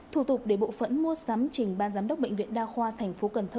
thủ tục để bộ phận mua sắm trình ban giám đốc bệnh viện đa khoa tp cn